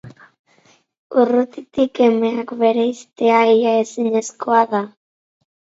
Urrutitik emeak bereiztea ia ezinezkoa da.